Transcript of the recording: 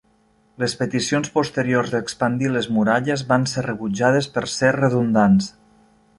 Les peticions posteriors d'expandir les muralles van ser rebutjades per ser redundats.